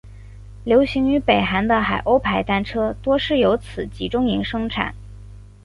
流行于北韩的海鸥牌单车多是由此集中营生产。